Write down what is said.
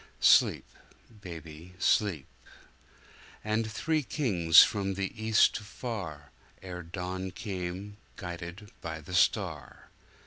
Sleep, baby, sleep! And three kings from the East afar, Ere dawn came, guided by the star.